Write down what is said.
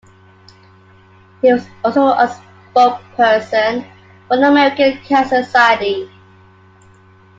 He was also a spokesperson for the American Cancer Society.